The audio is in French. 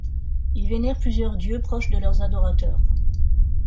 Ils vénèrent plusieurs dieux, proches de leur adorateurs.